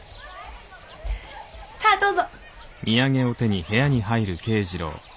さあどうぞ。